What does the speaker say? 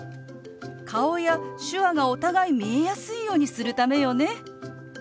顔や手話がお互い見えやすいようにするためよね。